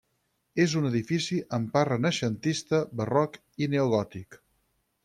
És un edifici en part renaixentista, barroc i neogòtic.